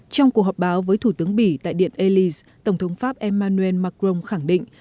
trong cuộc họp báo với thủ tướng bỉ tại điện alis tổng thống pháp emmanuel macron khẳng định